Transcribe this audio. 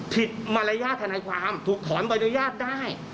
ผิดมารยาททนายความถูกถอนบรรยาทได้